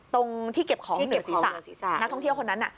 ตรงที่เก็บของเหนือศีรษะนักท่องเที่ยวคนนั้นน่ะ